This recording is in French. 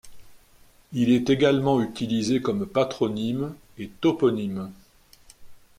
Il est également utilisé comme patronyme et toponyme.